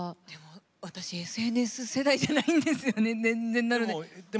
私、ＳＮＳ世代じゃないんですよね、年齢なので。